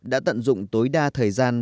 đã tận dụng tối đa thời gian